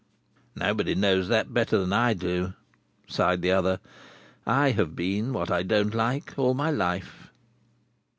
"Nobody knows that better than I do," sighed the other. "I have been what I don't like, all my life."